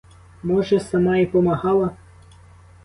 Може, сама і помагала?